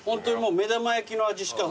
目玉焼きの味しか。